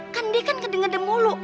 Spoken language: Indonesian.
kan dia kan kedengeran mulu